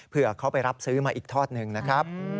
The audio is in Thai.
เพื่อเขาไปรับซื้อมาอีกทอดหนึ่งนะครับ